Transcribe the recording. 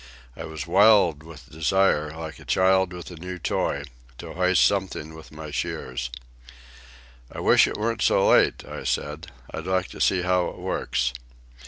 I was wild with desire, like a child with a new toy, to hoist something with my shears. "I wish it weren't so late," I said. "I'd like to see how it works."